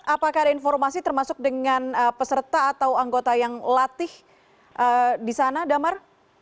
apakah ada informasi termasuk dengan peserta atau anggota yang latih di sana damar